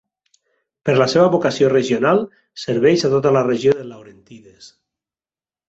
Per la seva vocació regional, serveix a tota la regió de Laurentides.